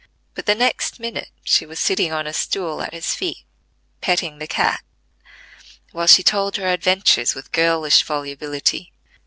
But the next minute she was sitting on a stool at his feet petting the cat, while she told her adventures with girlish volubility.